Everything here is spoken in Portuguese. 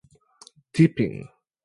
deepin